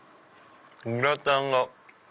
グラタンが。